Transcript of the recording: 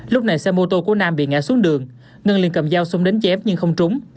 lúc này xe mô tô của nam bị ngã xuống đường ngân liền cầm dao xuống đánh chép nhưng không trúng